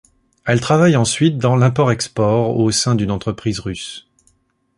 Elle travaille ensuite dans l'import-export au sein d'une entreprise russe.